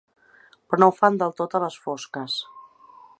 Però no ho fan del tot a les fosques.